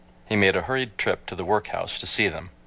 He made a hurried trip to the workhouse to see them.